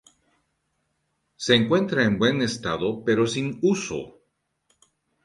Se encuentra en buen estado pero sin uso.